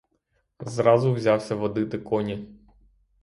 Зразу взявся водити коні.